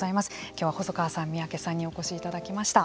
きょうは細川さん、三宅さんにお越しいただきました。